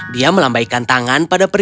dia melambaikan tangan pada perjalanan